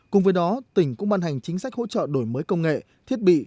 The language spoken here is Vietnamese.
cùng với đó tỉnh cũng ban hành chính sách hỗ trợ đổi mới công nghệ thiết bị